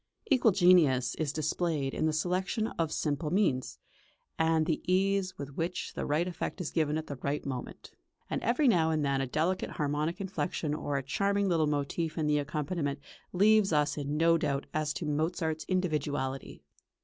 Equal genius is displayed in the selection of simple meins, and the ease with which the right effect is given at the right moment; and every now and then a delicate harmonic inflection, or a charming little motif in the accompaniment, leaves us in no doubt as to Mozart's individuality.